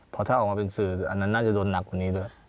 เพราะถ้าออกมาเป็นสื่ออันนั้นน่าจะโดนหนักกว่านี้ด้วย